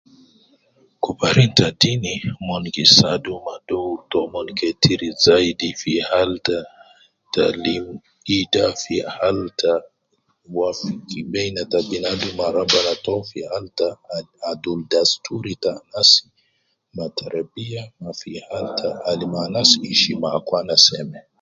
Kubarin ta dini, umon gi saadu umma, dooru toomon ketir zaidi fi hali ta lim ida, fi hali ta wafiki baina ta binadum ta rabbana, fi hali ta dasturi ta anas, ma teribiya, alim ma hishma , ma ishi ma anas kuwes.